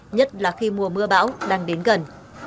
nhất là khi mùa mưa bão đang đến gần